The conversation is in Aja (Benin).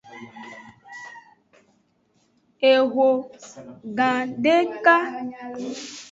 Eho gadeka.